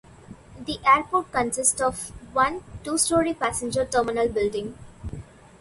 The airport consists of one two-storey passenger terminal building.